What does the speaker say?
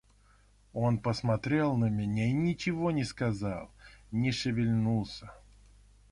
Он посмотрел на меня и ничего не сказал, не шевельнулся.